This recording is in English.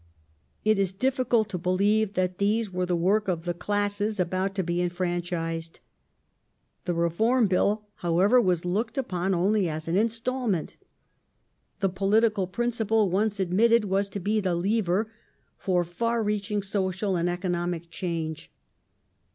It is difficult to believe that these were the work of the classes about to be enfranchised. The Reform Bill, however, was looked upon only as an instalment. The political principle once admitted was to be the lever for far reaching social and economic change.